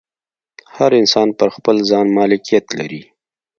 هر انسان پر خپل ځان مالکیت لري.